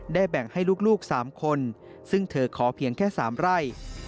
แบ่งให้ลูก๓คนซึ่งเธอขอเพียงแค่๓ไร่